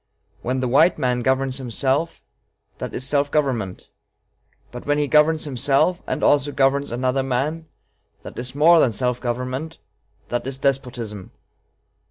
When the white man governs himself, that is self government; but when he governs himself and also governs another man, that is more than self government that is despotism....